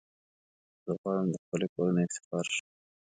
زه غواړم د خپلي کورنۍ افتخار شم .